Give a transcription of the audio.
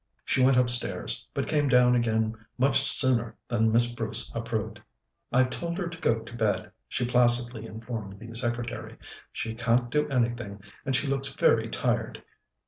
She went upstairs, but came down again much sooner than Miss Bruce approved. "I've told her to go to bed," she placidly informed the secretary. "She can't do anything, and she looks very tired."